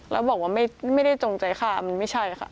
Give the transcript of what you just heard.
แล้วบอกว่าไม่ได้จงใจฆ่ามันไม่ใช่ค่ะ